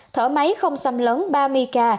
thở máy không xăm lớn ba mươi ca